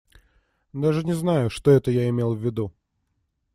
Даже не знаю, что это я имел в виду.